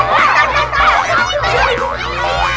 pastikan ke sini aku tangkap